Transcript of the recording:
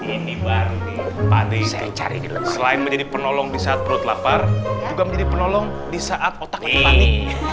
ini baru nih pade itu selain menjadi penolong disaat perut lapar juga menjadi penolong disaat otaknya panik